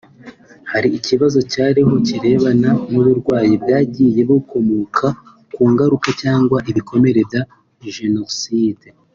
Hari ikibazo cyariho kirebana n’uburwayi bwagiye bukomoka ku ngaruka cyangwa ibikomere bya jenoside